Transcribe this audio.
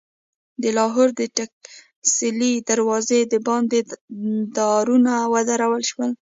د لاهور د ټکسلي دروازې دباندې دارونه ودرول شول.